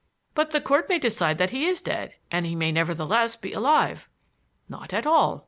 "But the Court may decide that he is dead and he may nevertheless be alive." "Not at all.